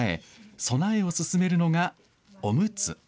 備えを勧めるのがおむつ。